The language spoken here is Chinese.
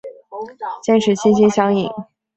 坚持心心相印。